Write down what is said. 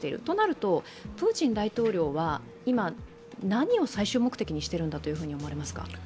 となると、プーチン大統領は今、何を最終目的にしているんだと思われますか。